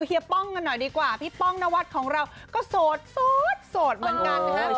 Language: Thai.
เฮีป้องกันหน่อยดีกว่าพี่ป้องนวัดของเราก็โสดโสดเหมือนกันนะฮะ